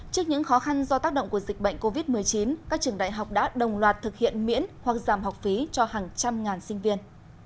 trước những khó khăn do tác động của dịch bệnh covid một mươi chín các trường đại học đã đồng loạt thực hiện miễn hoặc giảm học phí cho hàng trăm ngàn sinh viên